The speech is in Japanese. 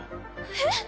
えっ？